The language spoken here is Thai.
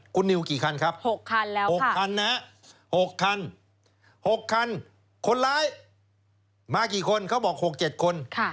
คุณนิวกี่คันครับ๖คันแล้ว๖คันนะฮะ๖คัน๖คันคนร้ายมากี่คนเขาบอก๖๗คน